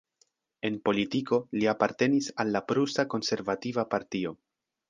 En politiko, li apartenis al la prusa konservativa partio.